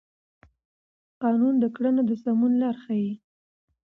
قانون د کړنو د سمون لار ښيي.